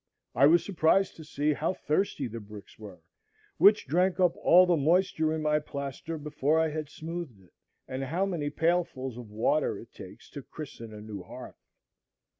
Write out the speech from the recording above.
I was surprised to see how thirsty the bricks were which drank up all the moisture in my plaster before I had smoothed it, and how many pailfuls of water it takes to christen a new hearth.